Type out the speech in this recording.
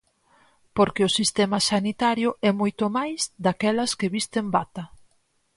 Porque o sistema sanitario é moito máis daquelas que visten bata.